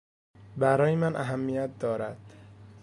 برای من اهمیت دارد.